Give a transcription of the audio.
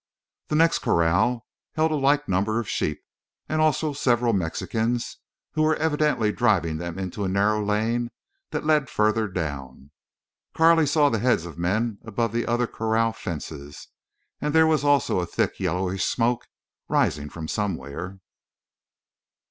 The next corral held a like number of sheep, and also several Mexicans who were evidently driving them into a narrow lane that led farther down. Carley saw the heads of men above other corral fences, and there was also a thick yellowish smoke rising from somewhere.